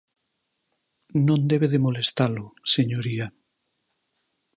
Non debe de molestalo, señoría.